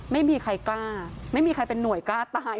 ไม่มีใครกล้าไม่มีใครเป็นหน่วยกล้าตาย